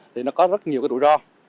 thì nó có rất nhiều cái rủi ro